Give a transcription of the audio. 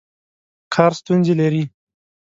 کار ستونزې لري.